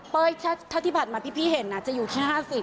เป้ยถ้าที่ผ่านมาพี่เห็นจะอยู่ที่๕๐